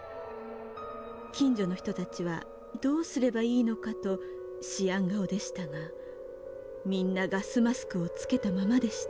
近所の人たちはどうすればいいのかと思案顔でしたがみんなガスマスクをつけたままでした。